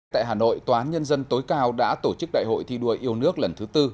tại hà nội tòa án nhân dân tối cao đã tổ chức đại hội thi đua yêu nước lần thứ tư